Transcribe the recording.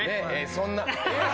そんな。